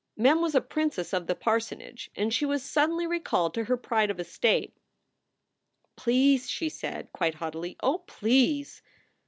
Mem was a princess of the parsonage, and she was sud denly recalled to her pride of estate. "Please!" she said, quite haughtily. "Oh, please!"